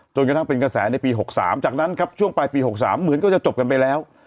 จนกระทั่งเป็นกระแสในปี๖๓จากนั้นครับช่วงปลายปี๖๓เหมือนก็จะจบกันไปแล้ว